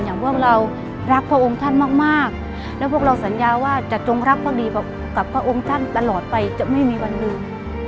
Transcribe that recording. อย่างพวกเรารักพระองค์ท่านมากแล้วพวกเราสัญญาว่าจะจงรักภักดีกับพระองค์ท่านตลอดไปจะไม่มีวันลืม